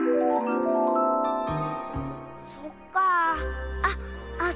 そっかあ。